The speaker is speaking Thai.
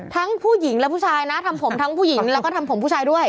ทั้งผู้หญิงและผู้ชายนะทำผมทั้งผู้หญิงแล้วก็ทำผมผู้ชายด้วย